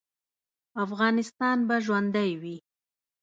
افغانستان به ژوندی وي؟